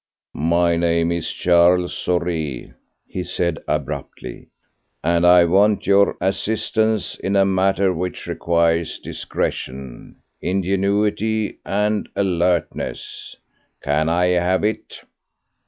"My name is Charles Saurez," he said abruptly, "and I want your assistance in a matter which requires discretion, ingenuity and alertness. Can I have it?"